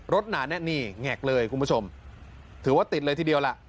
หนาแน่นี่แงกเลยคุณผู้ชมถือว่าติดเลยทีเดียวล่ะ